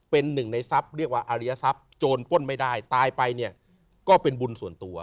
เป็นหนึ่งในทรัพย์เรียกว่าอริยทรัพย์โจรป้นไม่ได้ตายไปเนี่ยก็เป็นบุญส่วนตัว